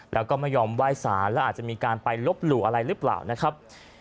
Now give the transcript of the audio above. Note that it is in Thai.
แล้วก็ไม่ยอมไหว้สารแล้วอาจจะมีการไปลบหลู่อะไรหรือเปล่านะครับ